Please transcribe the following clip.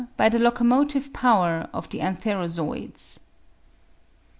by the locomotive power of the antherozooids.